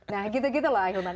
nah gitu gitu loh ahilman